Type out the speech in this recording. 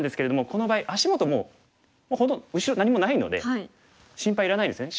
この場合足元もう後ろ何もないので心配いらないですよね。